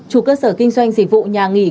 chủ cơ sở kinh doanh dịch vụ nhà nghỉ